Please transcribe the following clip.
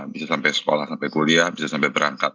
bisa sampai sekolah sampai kuliah bisa sampai berangkat